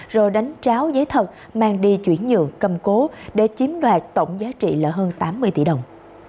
rồi đánh tráo giấy thật mang đi chuyển nhượng cầm cố để chiếm đoạt tổng giá trị là hơn tám mươi tỷ đồng